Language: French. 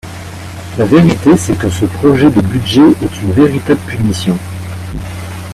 La vérité, c’est que ce projet de budget est une véritable punition.